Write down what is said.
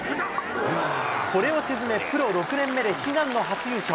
これを沈め、プロ６年目で悲願の初優勝。